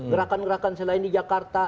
gerakan gerakan selain di jakarta